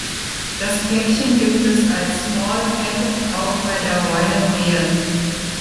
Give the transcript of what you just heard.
Das Päckchen gibt es als "Small Packet" auch bei der Royal Mail.